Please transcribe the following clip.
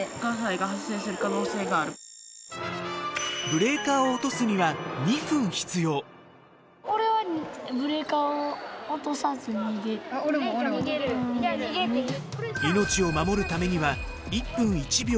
ブレーカーを落とすには命を守るためには１分１秒を争います。